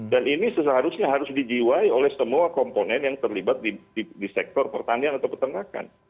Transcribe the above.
dan ini seharusnya harus dijiwai oleh semua komponen yang terlibat di sektor pertanian atau peternakan